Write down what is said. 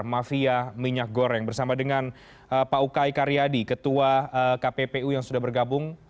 mafia minyak goreng bersama dengan pak ukay karyadi ketua kppu yang sudah bergabung